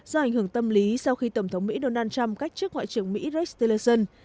do ảnh hưởng tâm lý sau khi tổng thống mỹ donald trump cách trước ngoại trưởng mỹ rex tillerson